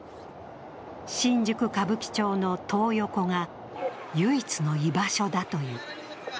新宿・歌舞伎町のトー横が唯一の居場所だという。